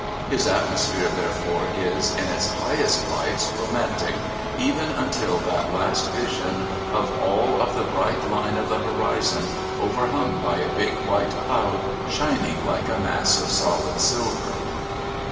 His atmosphere, therefore, is, in its highest lights, romantic, even until that last vision of all of "the bright line of the horizon, overhung by a big white cloud shining like a mass of solid silver."